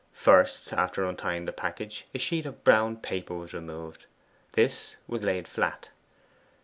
First, after untying the package, a sheet of brown paper was removed: this was laid flat.